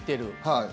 はい。